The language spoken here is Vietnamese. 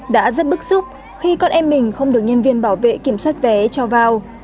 đã rất bức xúc khi con em mình không được nhân viên bảo vệ kiểm soát vé cho vào